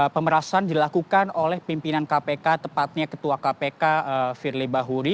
pemerasan dilakukan oleh pimpinan kpk tepatnya ketua kpk firly bahuri